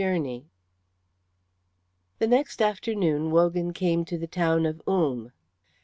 CHAPTER VI The next afternoon Wogan came to the town of Ulm.